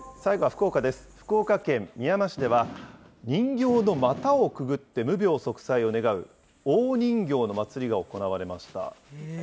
福岡県みやま市では、人形の股をくぐって、無病息災を願う、大人形の祭りが行われました。